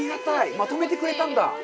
まとめてくれたんだ。